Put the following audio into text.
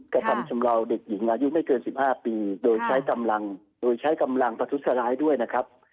กระทำชำลาวเด็กหยิงอายุไม่เกิน๑๕ปีโดยใช้กำลังผทุสไฟล์ด้วยนะคะ